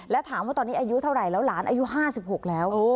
แล้วถามว่าตอนนี้อายุเท่าไหร่แล้วหลานอายุ๕๖แล้ว